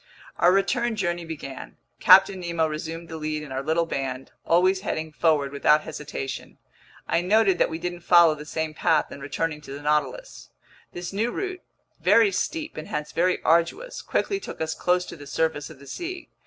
Our return journey began. Captain Nemo resumed the lead in our little band, always heading forward without hesitation. I noted that we didn't follow the same path in returning to the Nautilus. This new route, very steep and hence very arduous, quickly took us close to the surface of the sea.